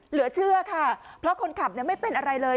เหลือเชื่อค่ะเพราะคนขับไม่เป็นอะไรเลย